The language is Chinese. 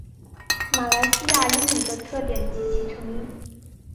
马来西亚英语的特点及其成因